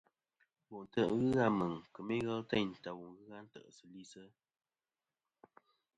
Bo ntè' ghɨ Meŋ kemɨ ighel teynta wu ghɨ a ntè'sɨlisɨ.